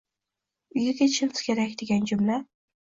“Uyga ketishimiz kerak”, degan jumla